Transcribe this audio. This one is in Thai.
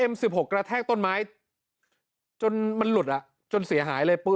๑๖กระแทกต้นไม้จนมันหลุดอ่ะจนเสียหายเลยปุ๊